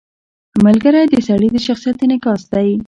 • ملګری د سړي د شخصیت انعکاس دی.